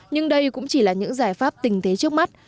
nhưng đây cũng chỉ là những giải pháp tình thế trước mắt